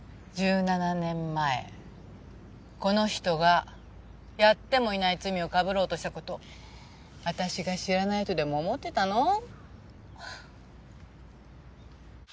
１７年前この人がやってもいない罪をかぶろうとした事私が知らないとでも思ってたの？